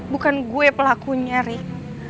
bukan gue pelakunya rik